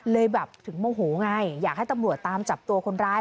แบบถึงโมโหไงอยากให้ตำรวจตามจับตัวคนร้าย